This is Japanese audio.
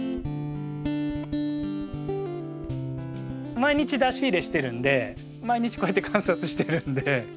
毎日出し入れしてるんで毎日こうやって観察してるんで。